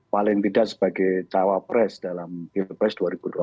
paling tidak sebagai cawapres dalam pilpres dua ribu dua puluh